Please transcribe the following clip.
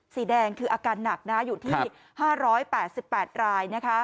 สีแดงคืออาการหนักอยู่ที่๕๘๘ราย